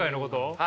はい。